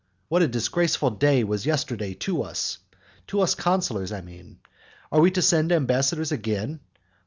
What a disgraceful day was yesterday to us! to us consulars, I mean. Are we to send ambassadors again?